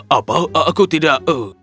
apa aku tidak